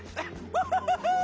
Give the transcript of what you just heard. ウフフフー！